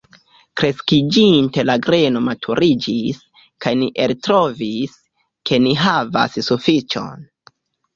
Kreskiĝinte la greno maturiĝis, kaj ni eltrovis, ke ni havas sufiĉon.